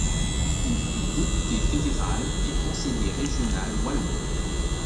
Il fut député fédéral et conseiller régional wallon.